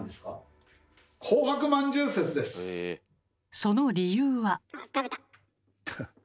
その理由は？